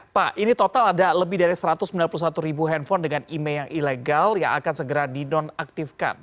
pak ini total ada lebih dari satu ratus sembilan puluh satu ribu handphone dengan email yang ilegal yang akan segera dinonaktifkan